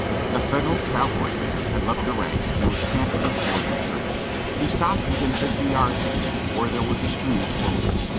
A Federal cavalryman had left the ranks and was cantering toward the church. He stopped within fifty yards of me, where there was a stream flow ing.